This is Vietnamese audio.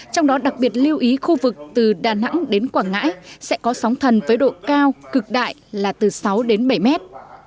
trong đó đặc biệt lưu ý khu vực từ đà nẵng đến quảng ngãi sẽ có sóng thần với độ cao cực đại là từ sáu đến bảy mét